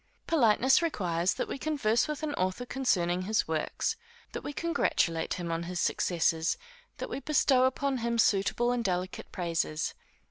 Politeness requires that we converse with an author concerning his works; that we congratulate him on his success; that we bestow upon him suitable and delicate praises.